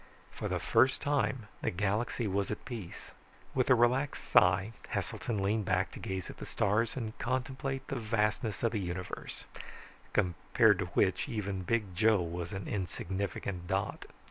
For the first time, the galaxy was at peace. With a relaxed sigh, Heselton leaned back to gaze at the stars and contemplate the vastness of the universe, compared to which even Big Joe was an insignificant dot.